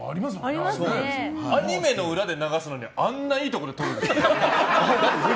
アニメの裏で流すのにあんないいとこでとるんですか。